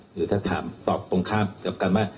หรือถ้าถามตอบตรงข้ามกับกันว่า